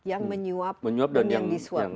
yang menyuap dan yang disuap